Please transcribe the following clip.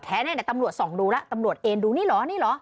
เนี่ยตำรวจส่องดูแล้วตำรวจเอ็นดูนี่เหรอนี่เหรอ